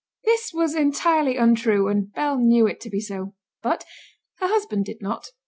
This was entirely untrue, and Bell knew it to be so; but her husband did not.